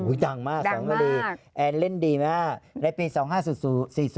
อุ๊ยดังมากสองนารีแอนด์เล่นดีมากในปี๒๕๔๐